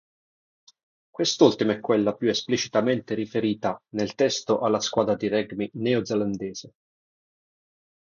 Quest'ultima è quella più esplicitamente riferita, nel testo, alla squadra di rugby neozelandese.